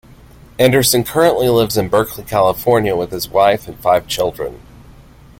Anderson currently lives in Berkeley, California, with his wife and five children.